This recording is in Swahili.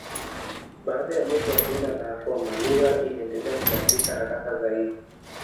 Baada ya mwisho wa Dola la Roma lugha iliendelea kubadilika haraka zaidi.